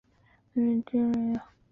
街道名称取自广西的钦州市。